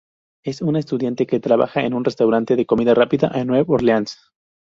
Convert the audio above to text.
Es una estudiante que trabaja en un restaurante de comida rápida, en New Orleans.